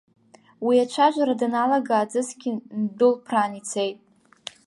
Уи ацәажәара даналага, аҵысгьы ндәылԥраан ицеит.